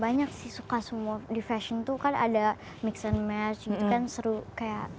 banyak sih suka semua di fashion tuh kan ada mix and match gitu kan seru kayak